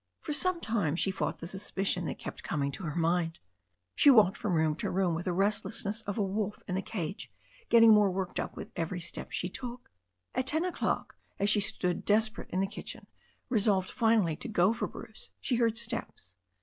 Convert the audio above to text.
For some time she fought the suspicion that kept coming to her mind. She walked from room to room with the restlessness of a wolf in a cage, getting more worked up with every step she took. At ten o'clock, as she stood desperate in the kitchen, resolved finally to go for Bruce, she heard steps.